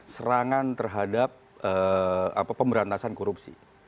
serangan terhadap pemberantasan korupsi